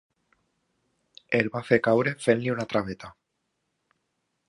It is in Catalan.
El va fer caure fent-li una traveta.